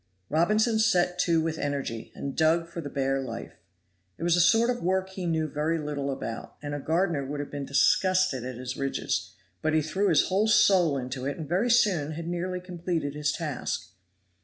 Robinson set to with energy, and dug for the bare life. It was a sort of work he knew very little about, and a gardener would have been disgusted at his ridges, but he threw his whole soul into it and very soon had nearly completed his task.